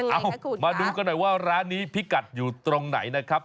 เอามาดูกันหน่อยว่าร้านนี้พิกัดอยู่ตรงไหนนะครับ